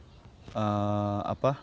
sementara istri lebih ke